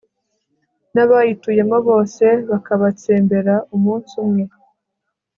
n'abayituyemo bose bakabatsembera umunsi umwe